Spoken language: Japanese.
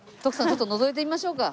ちょっとのぞいてみましょうか。